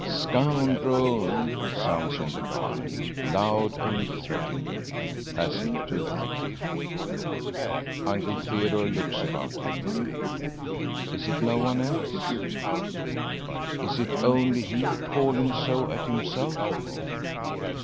"Scoundrel," sounds in the garden, loud and threateningly, as if to a thief. Uncle Theodore looks about him. Is it no one else? Is it only he calling so at himself?